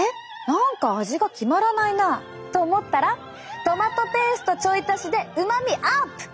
何か味が決まらないなと思ったらトマトペーストちょい足しでうまみアップ！